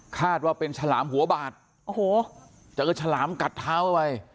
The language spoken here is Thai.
คาดว่าเป็นฉลามหัวบาดโอ้โหเจอฉลามกัดเท้าเข้าไป